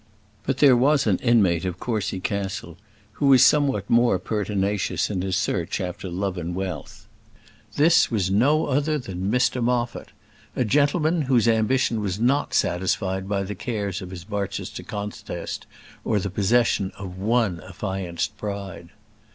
But there was an inmate of Courcy Castle who was somewhat more pertinacious in his search after love and wealth. This was no other than Mr Moffat: a gentleman whose ambition was not satisfied by the cares of his Barchester contest, or the possession of one affianced bride.